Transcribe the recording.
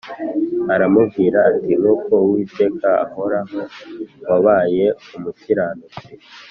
aramubwira ati “nk’uko uwiteka ahoraho, wabaye umukiranutsi